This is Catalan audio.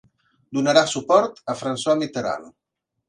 Donarà suport a François Mitterrand.